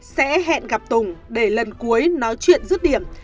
sẽ hẹn gặp tùng để lần cuối nói chuyện dứt điểm